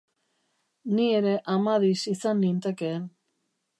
Ni ere Amadis izan nintekeen.